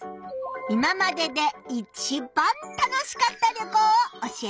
いままでで一番楽しかった旅行を教えて。